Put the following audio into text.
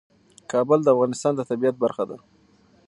کابل د افغانستان د طبیعت برخه ده.